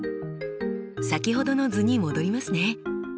先ほどの図に戻りますね。